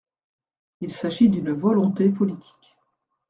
Il s’agit d’une volonté politique.